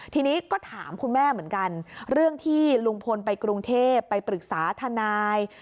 ทีนี้ก็ถามคุณแม่เหมือนกันเรื่องที่ลุงพลไปกรุงเทพไปปรึกษาทนาย